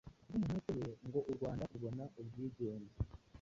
kubw’umuhate we ngo u Rwanda rubone ubwigenge